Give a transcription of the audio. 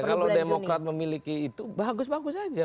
kalau demokrat memiliki itu bagus bagus saja